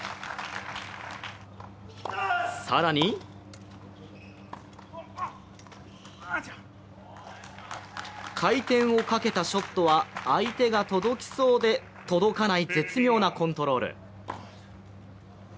更に回転をかけたショットは相手が届きそうで届かない絶妙なコントロール。